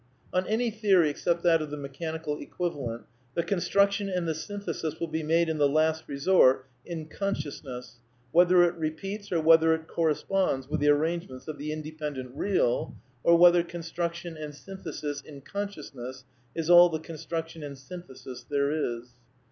On any theory except that of the " mechanical equiva lent,'^ the construction and the synthesis will be made in the last resort in consciousness, whether it repeats or whether it corresponds with the arrangements of the inde pendent " Eeal," or whether construction and synthesis in consciousness is all the construction and synthesis there is.